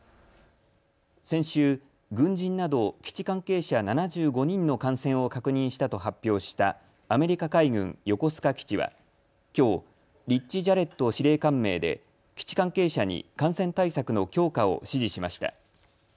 先週、軍人など基地関係者７５人の感染を確認したと発表したアメリカ海軍横須賀基地はきょう、リッチ・ジャレット司令官名で基地関係者に感染対策の強化を指示しました。